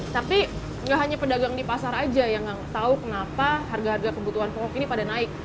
tapi nggak hanya pedagang di pasar aja yang tahu kenapa harga harga kebutuhan pokok ini pada naik